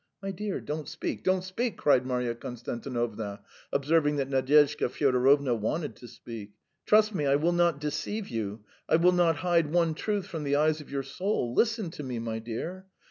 My dear, don't speak, don't speak," cried Marya Konstantinovna, observing that Nadyezhda Fyodorovna wanted to speak. "Trust me, I will not deceive you, I will not hide one truth from the eyes of your soul. Listen to me, my dear.